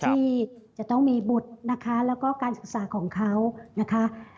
ที่จะต้องมีบุตรนะคะแล้วก็การศึกษาของเขานะคะ